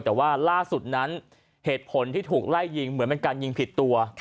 แต่ว่าล่าสุดนั้นเหตุผลที่ถูกไล่ยิงเหมือนเป็นการยิงผิดตัว